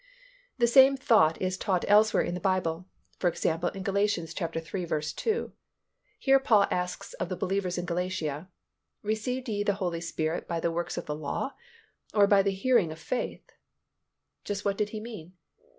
The same thought is taught elsewhere in the Bible, for example in Gal. iii. 2. Here Paul asks of the believers in Galatia, "Received ye the Holy Spirit by the works of the law, or by the hearing of faith?" Just what did he mean?